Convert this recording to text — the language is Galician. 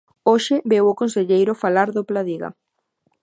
Hoxe veu o conselleiro falar do Pladiga.